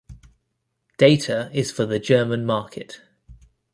Data is for the German market.